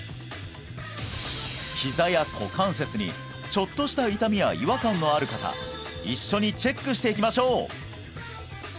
ひざや股関節にちょっとした痛みや違和感のある方一緒にチェックしていきましょう！